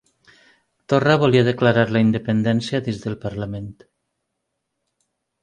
Torra volia declarar la independència dins del Parlament.